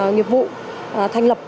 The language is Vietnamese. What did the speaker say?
nghiệp vụ thành lập